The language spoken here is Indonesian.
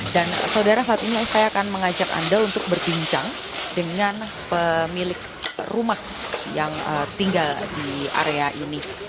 dan saudara saat ini saya akan mengajak anda untuk berbincang dengan pemilik rumah yang tinggal di area ini